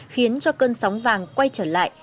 khiến cho cơn sóng vàng quay trở lại